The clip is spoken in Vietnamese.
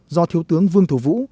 do thiếu tướng vương thủ vũ